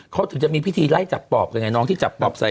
เขาถึงจะมีพิธีไล่จับปอบกันไงน้องที่จับปอบใส่